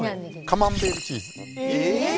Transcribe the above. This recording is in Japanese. カマンベールチーズ。